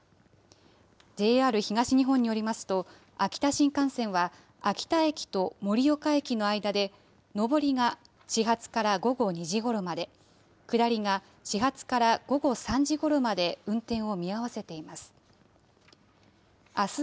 ＪＲ東日本によりますと、秋田新幹線は秋田駅と盛岡駅の間で、上りが始発から午後２時ごろまで、下りが始発から午後３時ごろまで、運転を見合わせています。